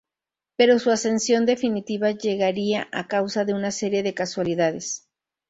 Pero su ascensión definitiva llegaría a causa de una serie de casualidades.